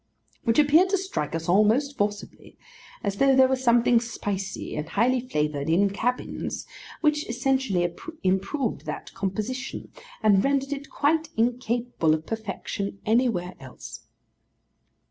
which appeared to strike us all most forcibly; as though there were something spicy and high flavoured in cabins, which essentially improved that composition, and rendered it quite incapable of perfection anywhere else.